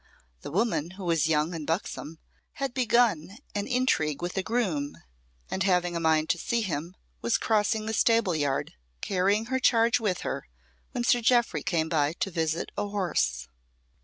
The woman, who was young and buxom, had begun an intrigue with a groom, and having a mind to see him, was crossing the stable yard, carrying her charge with her, when Sir Jeoffry came by to visit a horse.